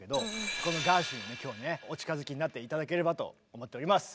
このガーシュウィンに今日はねお近づきになって頂ければと思っております。